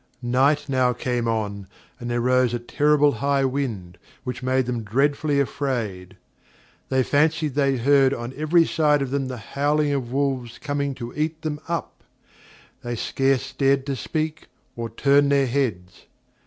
Night now came on, and there arose a terrible high wind, which made them dreadfully afraid. They fancied they heard on every side of them the houling of wolves coming to eat them up; they scarce dared to speak, or turn their heads.